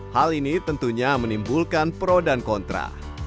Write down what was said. hal ini tentunya menimbulkan pro dan kontra